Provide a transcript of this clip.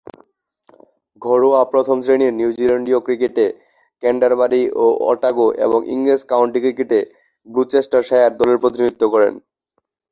ঘরোয়া প্রথম-শ্রেণীর নিউজিল্যান্ডীয় ক্রিকেটে ক্যান্টারবারি ও ওতাগো এবং ইংরেজ কাউন্টি ক্রিকেটে গ্লুচেস্টারশায়ার দলের প্রতিনিধিত্ব করেন।